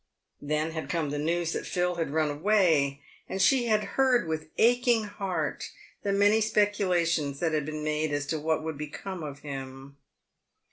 Then had come the news that Phil had run away, and she had heard with aching heart the many speculations that had been made as to what would become of him.